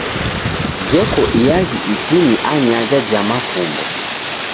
Jeko iaghi itini anyaja ja makumbo.